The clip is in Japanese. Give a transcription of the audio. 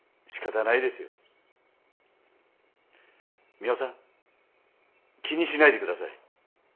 ミワさん気にしないで下さい。